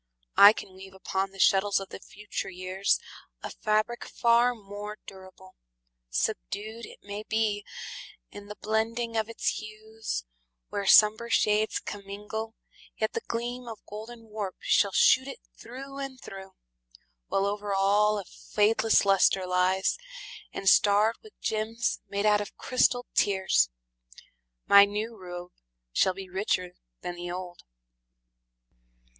I can weave Upon the shuttles of the future years A fabric far more durable. Subdued, It may be, in the blending of its hues, Where somber shades commingle, yet the gleam Of golden warp shall shoot it through and through, While over all a fadeless luster lies, And starred with gems made out of crystalled tears, My new robe shall be richer than the old.